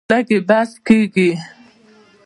لږ یې بس کیږي.